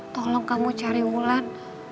tolong kamu cari wulan